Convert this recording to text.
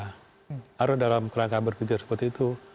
harus dalam kerangka berpikir seperti itu